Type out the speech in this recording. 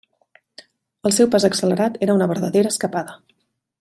El seu pas accelerat era una verdadera escapada.